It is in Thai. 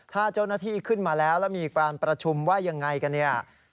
ถ้าเจ้าหน้าที่ขึ้นมาแล้วแล้วมีการประชุมว่ายังไงกันเนี่ย